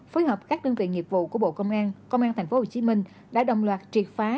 phối hợp các đơn vị nghiệp vụ của bộ công an công an tp hcm đã đồng loạt triệt phá